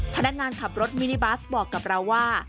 พนักงานขับรถมินิบัสบอกกับเราว่า